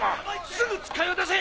すぐ使いを出せ！